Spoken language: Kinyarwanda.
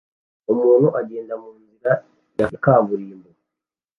Umuntu agenda munzira ya kaburimbo